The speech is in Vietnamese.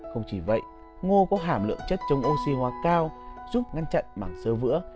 không chỉ vậy ngô có hàm lượng chất chống oxy hóa cao giúp ngăn chặn mảng sơ vữa